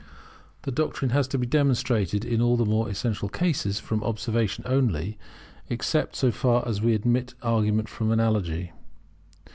The doctrine has to be demonstrated in all the more essential cases from observation only, except so far as we admit argument from analogy.